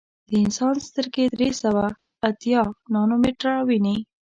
د انسان سترګې درې سوه اتیا نانومیټره ویني.